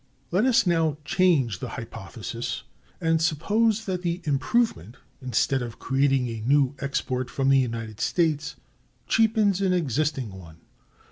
Let us now change the hypothesis, and suppose that the improvement, instead of creating a new export from the United States, cheapens an existing one.